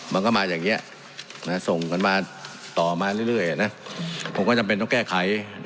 มันก็มาอย่างนี้ส่งกันมาต่อมาเรื่อยผมก็จำเป็นต้องแก้ไข